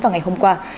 ngày hôm qua